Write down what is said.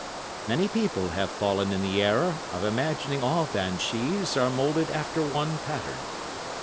"Many people have fallen in the error of imagining all banshees are moulded after one pattern.